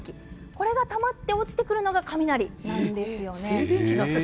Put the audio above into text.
これがたまって起きてくるのが雷なんです。